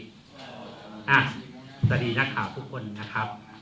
สวัสดีนักข่าวทุกคนนะครับ